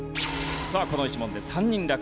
さあこの１問で３人落第。